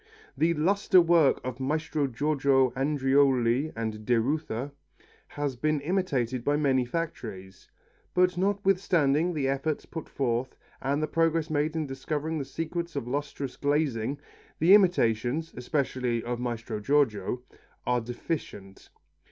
The lustre work of Maestro Giorgio Andreoli and Derutha has been imitated by many factories, but, notwithstanding the efforts put forth and the progress made in discovering the secret of lustrous glazing, the imitations, especially of Maestro Giorgio, are deficient.